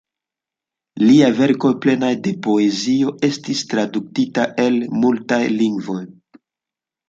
Liaj verkoj, plenaj de poezio, estis tradukitaj al multaj lingvoj.